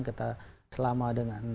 kita selama dengan impor